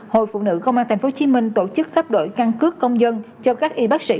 hội phụ nữ công an tp hcm tổ chức cấp đổi căn cước công dân cho các y bác sĩ